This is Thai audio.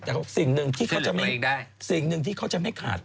แต่สิ่งหนึ่งที่เขาจะไม่ขาด